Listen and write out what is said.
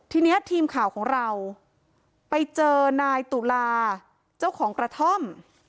ทีนี้ทีมข่าวของเราไปเจอนายตุลาเจ้าของกระท่อม